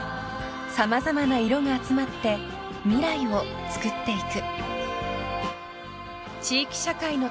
［様々な色が集まって未来をつくっていく］